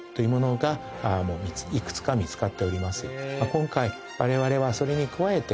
今回われわれはそれに加えて。